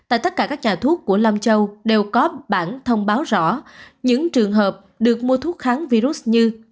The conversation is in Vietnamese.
tại tất cả các nhà thuốc của lâm châu đều có bản thông báo rõ những trường hợp được mua thuốc kháng virus như